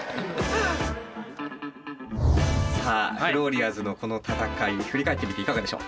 さあフローリアーズのこの戦い振り返ってみていかがでしょう。